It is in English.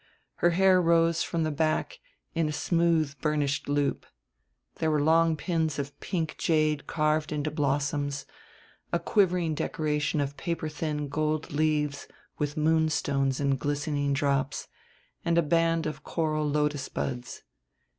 Her hair rose from the back in a smooth burnished loop. There were long pins of pink jade carved into blossoms, a quivering decoration of paper thin gold leaves with moonstones in glistening drops, and a band of coral lotus buds.